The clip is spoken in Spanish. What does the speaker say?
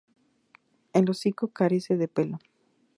El hocico carece de pelo.